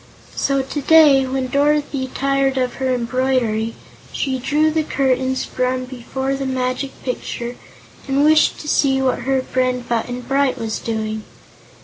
So today, when Dorothy tired of her embroidery, she drew the curtains from before the Magic Picture and wished to see what her friend Button Bright was doing.